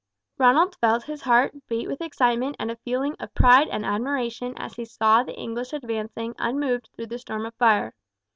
Ronald felt his heart beat with excitement and a feeling of pride and admiration as he saw the English advancing unmoved through the storm of fire.